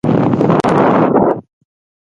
ایا هلک ژاړي؟